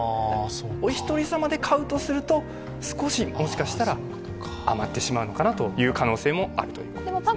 お一人様で買うとすると、少し余ってしまうのかなという可能性もあるということですね。